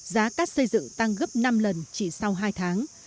giá cát xây dựng tăng gấp năm lần chỉ sau hai tháng